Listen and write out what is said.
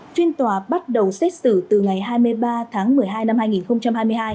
phiên tòa bắt đầu xét xử từ ngày hai mươi ba tháng một mươi hai năm hai nghìn hai mươi hai